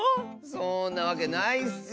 そんなわけないッス！